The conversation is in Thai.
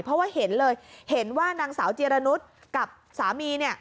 เพราะว่าเห็นเลยเห็นว่านางสาวจิรนุษย์กับสามีเนี่ย